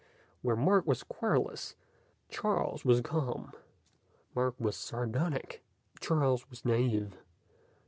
Where Mark was querulous, Charles was calm. Mark was sardonic, Charles was naive.